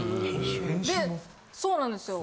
・そうなんですよ。